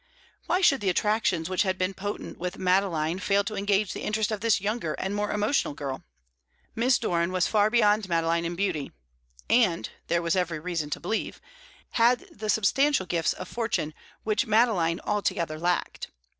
Why should the attractions which had been potent with Madeline fail to engage the interest of this younger and more emotional girl? Miss Doran was far beyond Madeline in beauty, and, there was every reason to believe, had the substantial gifts of fortune which Madeline altogether lacked.